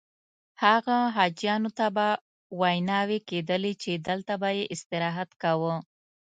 هغه حاجیانو ته به ویناوې کېدلې چې دلته به یې استراحت کاوه.